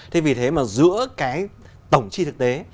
thế vì thế mà giữa cái tổng chi thực tế